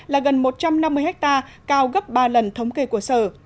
là gần một trăm năm mươi hectare cao gấp ba lần thống kê của sở